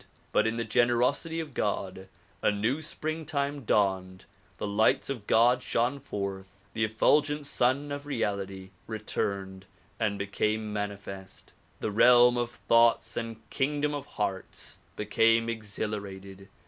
But in the generosity of God a new springtime dawned, the lights of God shone forth, the effulgent Sun of Reality returned and became manifest, the realm of thoughts and kingdom of hearts became exhilarated.